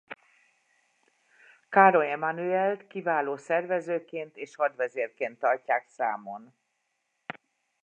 Károly Emánuelt kiváló szervezőként és hadvezérként tartják számon.